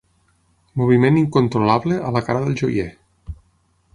Moviment incontrolable a la cara del joier.